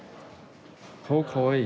顔かわいい。